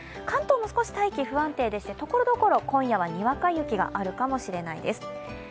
関東も少し大気不安定でして、ところどころ、今夜はにわか雪があるかもしれないです。